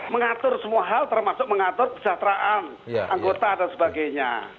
mengatur semua hal termasuk mengatur kesejahteraan anggota dan sebagainya